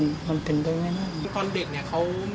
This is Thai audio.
โดยสัญญาณของมนุษย์เนี่ยนะผมว่าสัตว์ยังรักลูกเลยนะ